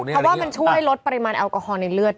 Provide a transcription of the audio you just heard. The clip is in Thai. เพราะว่ามันช่วยลดปริมาณแอลกอฮอลในเลือด